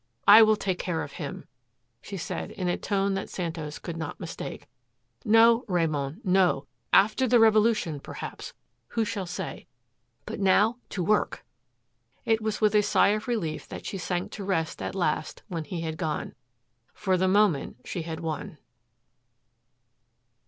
"I will take care of him," she said in a tone that Santos could not mistake. "No Ramon, no. After the revolution perhaps who shall say? But now to work!" It was with a sigh of relief that she sank to rest at last when he had gone. For the moment she had won.